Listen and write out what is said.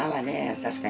確かに。